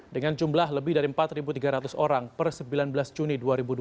dengan jumlah lebih dari empat tiga ratus orang per sembilan belas juni dua ribu dua puluh